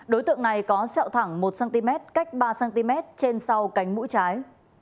đối tượng này có sẹo thẳng một cm cách ba cm trên sau cánh mũi trái